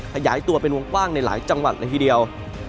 ขยายตัวเป็นวงกว้างในหลายจังหวัดเลยทีเดียว